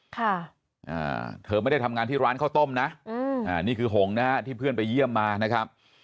ค่ะอ่าเธอไม่ได้ทำงานที่ร้านข้าวต้มนะอืมอ่านี่คือหงนะฮะที่เพื่อนไปเยี่ยมมานะครับ